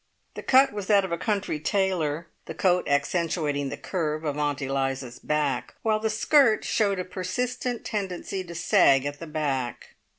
The cut was that of a country tailor, the coat accentuating the curve of Aunt Eliza's back, while the skirt showed a persistent tendency to sag at the back.